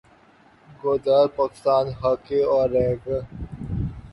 گودار پاکستان کاھے اور رہے گا